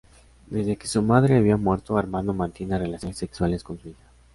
Desde que su madre había muerto, Armando mantiene relaciones sexuales con su hija.